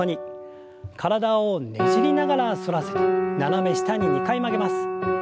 体をねじりながら反らせて斜め下に２回曲げます。